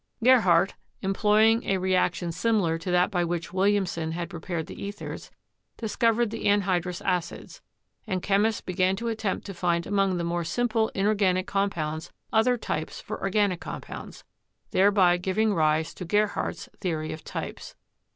Gerhardt, employing a reaction similar to that by which Williamson had prepared the ethers, discovered the anhydrous acids ; and chemists began to attempt to find among the more simple inorganic compounds other types for organic compounds, thereby giving rise to Gerhardt's theory of types.